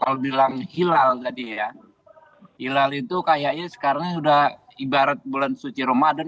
kalau bilang hilal tadi ya hilal itu kayaknya sekarang sudah ibarat bulan suci ramadan